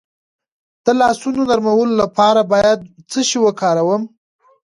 د لاسونو نرمولو لپاره باید څه شی وکاروم؟